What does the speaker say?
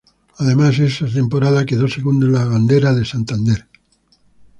Además esa temporada quedó segunda en la Bandera de Santander.